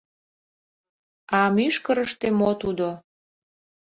А мӱшкырыштӧ мо тудо?